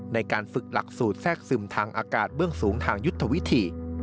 ในการฝึกหลักสูตรแทรกซึมทางอากาศเบื้องสูงทางยุทธวิธี